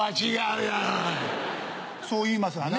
そう言いますわね。